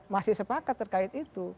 masih sepakat terkait itu